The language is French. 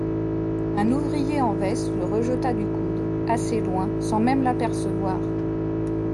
Un ouvrier en veste le rejeta du coude, assez loin, sans même l'apercevoir.